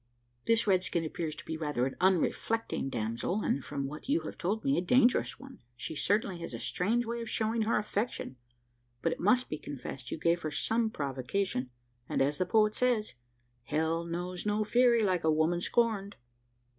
This redskin appears to be rather an unreflecting damsel; and, from what you have told me, a dangerous one. She certainly has a strange way of showing her affection; but it must be confessed, you gave her some provocation; and as the poet says, `Hell knows no fury like a woman scorned.'"